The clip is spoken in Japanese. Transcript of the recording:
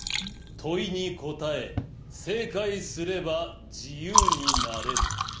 「問いに答え正解すれば自由になれる」。